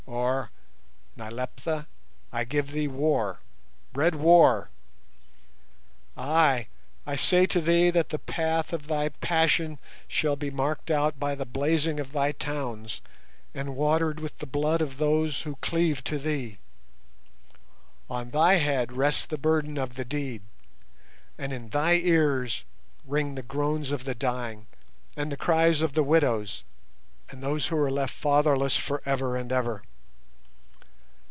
or, Nyleptha, I give thee War—red War! Ay, I say to thee that the path of thy passion shall be marked out by the blazing of thy towns and watered with the blood of those who cleave to thee. On thy head rest the burden of the deed, and in thy ears ring the groans of the dying and the cries of the widows and those who are left fatherless for ever and for ever.